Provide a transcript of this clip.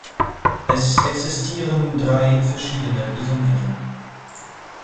Es existieren drei verschiedene Isomere.